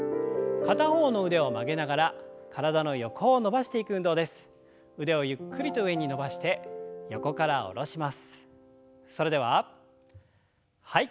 片方の腕を曲げながら体の横を伸ばします。